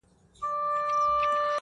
ما په تمه د درملو ورته عُمر دی خوړلی!.